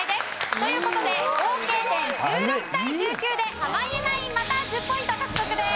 という事で合計点１６対１９で濱家ナインまた１０ポイント獲得です。